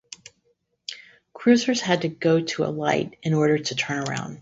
Cruisers had to go to a light in order to turn around.